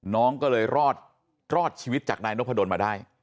น้องก็เลยรอดชีวิตจากนายนพดลมาได้